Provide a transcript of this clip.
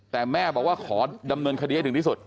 แต่แม่บอกว่าขอดำเนินคดีให้ถึงที่สุด